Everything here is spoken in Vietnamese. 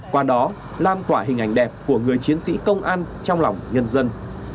qua đó lan tỏa hình ảnh đẹp của người chiến sĩ công an trong lòng nhân dân